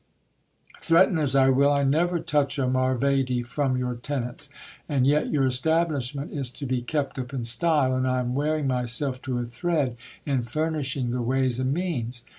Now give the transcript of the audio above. Threaten as I will, I never touch a marvedi from your tenants. And yet your establishment is to be kept up in style, and I am wearing myself to a thread in furnishing the ways and means.